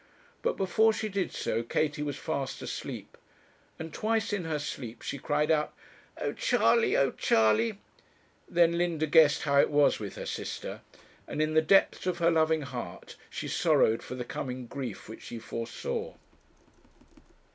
But before she did so Katie was fast asleep, and twice in her sleep she cried out, 'Oh, Charley! Oh, Charley!' Then Linda guessed how it was with her sister, and in the depths of her loving heart she sorrowed for the coming grief which she foresaw.